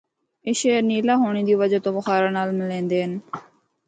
اے شہر نیلا ہونڑے دی وجہ تو بخارا نال ملیندے ہن۔